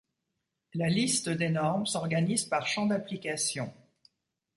La liste des normes s’organise par champs d’application.